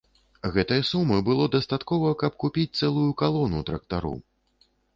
Гэтай сумы было дастаткова, каб купіць цэлую калону трактароў.